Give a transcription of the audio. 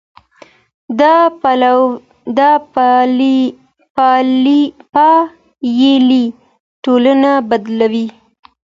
دا پايلې ټولنه بدلوي.